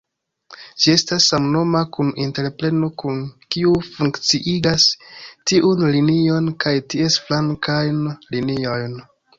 Ĝi estas samnoma kun entrepreno, kiu funkciigas tiun linion kaj ties flankajn liniojn.